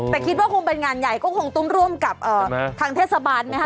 แต่คิดว่าคงเป็นงานใหญ่ก็คงต้องร่วมกับทางเทศบาลนะคะ